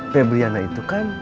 pebriana itu kan